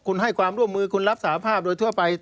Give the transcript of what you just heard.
คุณให้ความร่วมมือคุณรับสาภาพโดยทั่วไป